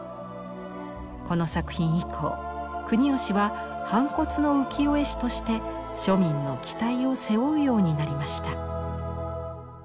この作品以降国芳は反骨の浮世絵師として庶民の期待を背負うようになりました。